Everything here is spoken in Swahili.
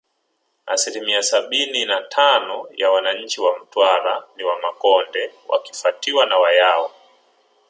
Asilimia sabini na tano ya wananchi wa Mtwara ni Wamakonde wakifuatiwa na Wayao